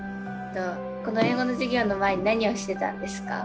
この英語の授業の前に何をしてたんですか？